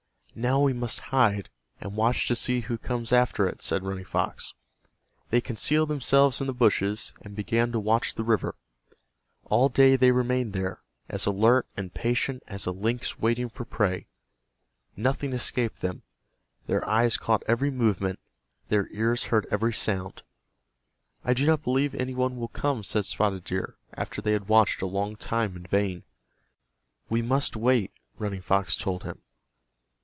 "Now we must hide, and watch to see who comes after it," said Running Fox. They concealed themselves in the bushes, and began to watch the river. All day they remained there, as alert and patient as a lynx waiting for prey. Nothing escaped them. Their eyes caught every movement, their ears heard every sound. "I do not believe any one will come," said Spotted Deer, after they had watched a long time in vain. "We must wait," Running Fox told him.